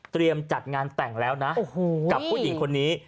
จัดงานแต่งแล้วนะกับผู้หญิงคนนี้